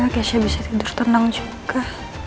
keknya bisa tidur tenang juga